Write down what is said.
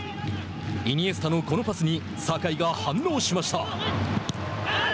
イニエスタのこのパスに酒井が反応しました。